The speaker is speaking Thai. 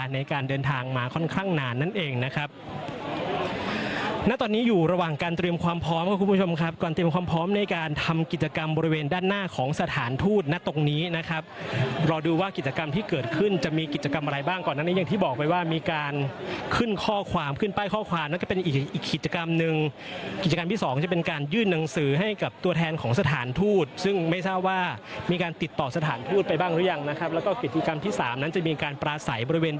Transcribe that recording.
นะตอนนี้อยู่ระหว่างการเตรียมความพร้อมกับคุณผู้ชมครับการเตรียมความพร้อมในการทำกิจกรรมบริเวณด้านหน้าของสถานทูตนะตรงนี้นะครับรอดูว่ากิจกรรมที่เกิดขึ้นจะมีกิจกรรมอะไรบ้างก่อนหน้านี้อย่างที่บอกไปว่ามีการขึ้นข้อความขึ้นป้ายข้อความแล้วก็เป็นอีกอีกอีกกิจกรรมหนึ่งกิจกรรมที่สองจะ